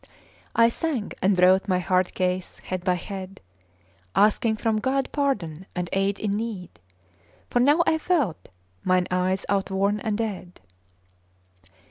I sang, and wrote my hard case, head by head, Asking from god pardon and aid in need, For now If felt mine eyes outworn and dead.